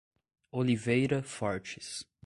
Oliveira Fortes